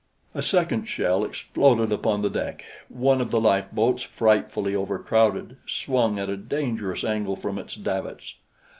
A second shell exploded upon the deck. One of the lifeboats, frightfully overcrowded, swung at a dangerous angle from its davits.